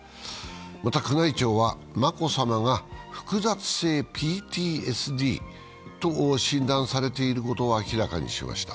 また、宮内庁は眞子さまが複雑性ＰＴＳＤと診断されていることを明らかにしました。